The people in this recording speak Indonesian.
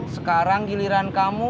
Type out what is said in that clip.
sekarang giliran kamu